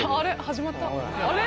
あれ？